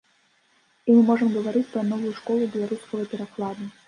І мы можам гаварыць пра новую школу беларускага перакладу.